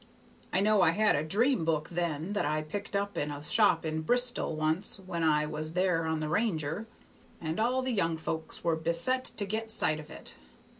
I know I had a dream book then that I picked up in a shop in Bristol once when I was there on the Ranger, and all the young folks were beset to get sight of it.